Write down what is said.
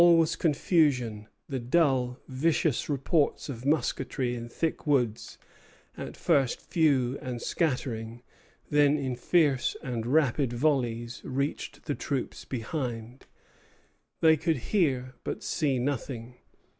All was confusion. The dull, vicious reports of musketry in thick woods, at first few and scattering, then in fierce and rapid volleys, reached the troops behind. They could hear, but see nothing.